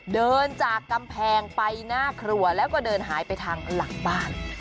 เดินจากกำแพงไปหน้าครัวแล้วก็เดินหายไปทางหลังบ้าน